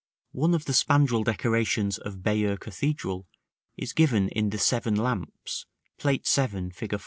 One of the spandril decorations of Bayeux Cathedral is given in the "Seven Lamps," Plate VII. fig.